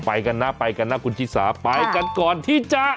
ไปกันนะไปกันนะคุณชิสาไปกันก่อนที่จะ